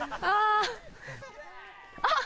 あっ！